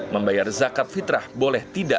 membayar zakat fitrah boleh tidak